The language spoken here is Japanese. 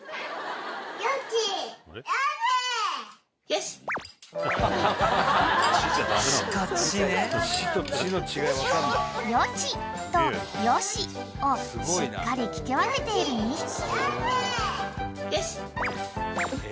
［「よち」と「よし」をしっかり聞き分けている２匹］